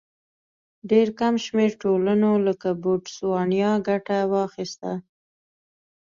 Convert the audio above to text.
ډېر کم شمېر ټولنو لکه بوتسوانیا ګټه واخیسته.